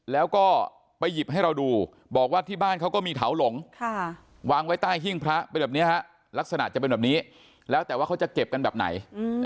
แล้วแต่ว่าเขาจะเก็บกันแบบไหน